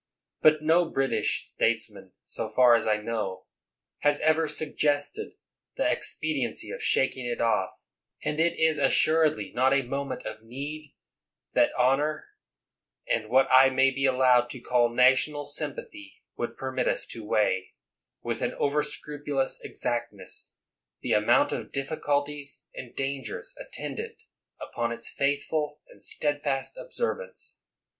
But no British statesman, so far as I know, has ever suggested the ex pediency of shaking it off; and it is assuredly not a moment of need that honor and what I may be allowed to call national sympathy would permit us to weigh, with an overscrupulous exactness, the amount of difficulties and dangers attendant upon its faithful and steadfast ob servance.